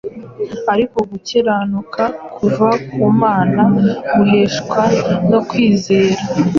ariko gukiranuka kuva ku Mana guheshwa no kwizera: